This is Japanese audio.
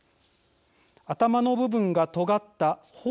頭の部分がとがった方